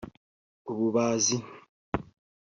ububazi